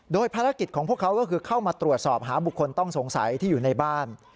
โดยภารกิจของพวกเขาก็คือเข้ามาตรวจสอบหาบุคคลต้องสงสัยที่อยู่ในบ้าน